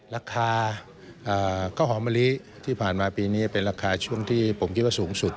ราคาข้าวหอมมะลิที่ผ่านมาปีนี้เป็นราคาช่วงที่ผมคิดว่าสูงสุด